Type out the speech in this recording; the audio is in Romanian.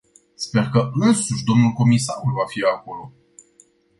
Sper că însuși dl comisarul va fi acolo.